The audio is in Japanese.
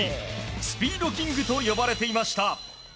スピードキングと呼ばれていました。